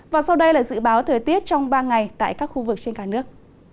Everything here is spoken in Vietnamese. và sau đây là dự báo thời tiết trong ba ngày tại các khu vực trên cả nước